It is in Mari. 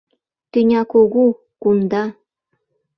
Тӱня кугу, кумда.